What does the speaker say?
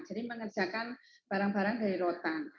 jadi mengerjakan barang barang dari rotan